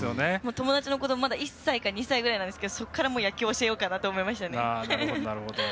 友達の子どもまだ１歳から２歳なんですけどそこから野球教えようと思いましたね。